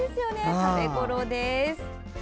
食べ頃です。